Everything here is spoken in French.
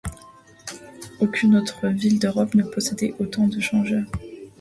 Aucune autre ville d'Europe ne possédait autant de changeurs.